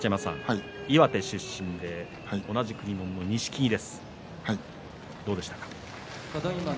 岩手出身で同じ国もんの錦木です。